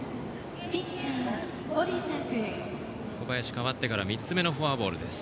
小林は代わってから３つ目のフォアボールです。